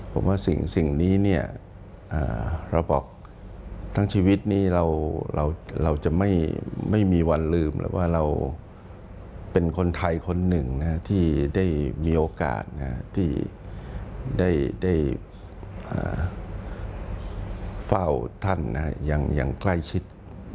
ผมว่าสิ่งนี้เราบอกทั้งชีวิตนี้เราจะไม่มีวันลืมว่าเราเป็นคนไทยคนหนึ่งที่ได้มีโอกาสที่ได้เฝ้าท่านอย่างใกล้ชิด